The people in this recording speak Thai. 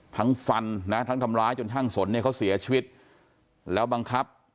ฟันนะทั้งทำร้ายจนช่างสนเนี่ยเขาเสียชีวิตแล้วบังคับ